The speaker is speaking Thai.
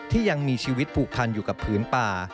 ยังมีชีวิตผูกพันอยู่กับพื้นป่า